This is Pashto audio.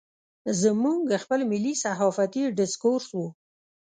زموږ خپل ملي صحافتي ډسکورس و.